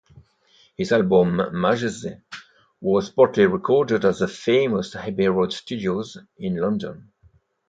His album "Maggese" was partly recorded at the famous Abbey Road Studios in London.